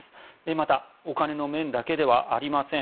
また、お金の面だけではありません。